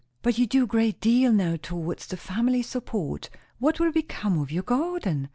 "But you do a great deal now towards the family support. What will become of your garden?"